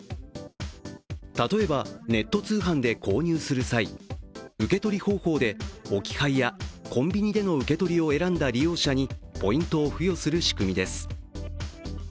例えば、ネット通販で購入する際、受け取り方法で置き配やコンビニでの受け取りを選んだ利用者にポイントを付与する仕組みです。